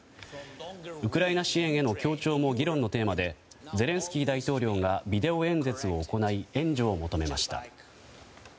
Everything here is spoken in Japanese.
ウクライナ支援への協調も議論のテーマでゼレンスキー大統領がビデオ演説を行い援助を求めました。